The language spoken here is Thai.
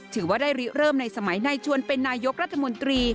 ถือว่าได้ริเริ่มในสมัยนายชวนเป็นนายกรัฐมนตรี